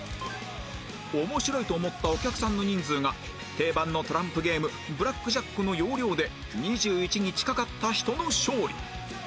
面白いと思ったお客さんの人数が定番のトランプゲームブラックジャックの要領で２１に近かった人の勝利